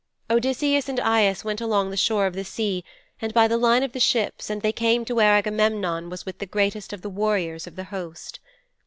'Odysseus and Aias went along the shore of the sea and by the line of the ships and they came to where Agamemnon was with the greatest of the warriors of the host.